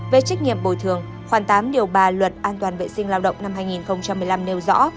về trách nhiệm bồi thường khoảng tám điều ba luật an toàn vệ sinh lao động năm hai nghìn một mươi năm nêu rõ